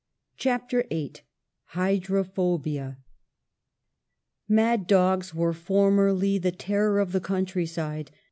CHAPTER VIII HYDROPHOBIA MAD dogs were formerly the terror of the country side.